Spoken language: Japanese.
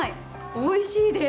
おいしいです。